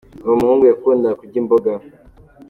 Uwo muhungu yakundaga kurya imboga.